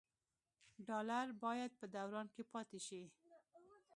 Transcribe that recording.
ډالر باید په دوران کې پاتې شي.